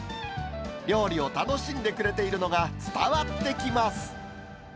料理を楽しんでくれているのが伝わってきます。